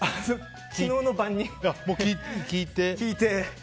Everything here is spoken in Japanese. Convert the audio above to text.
昨日の晩に聴いて。